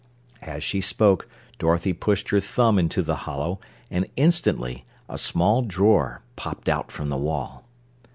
As she spoke Dorothy pushed her thumb into the hollow and instantly a small drawer popped out from the wall.